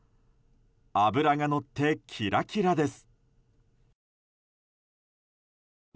脂がのってキラキラです。